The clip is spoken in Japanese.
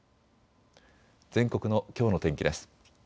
全国のきょうの天気です。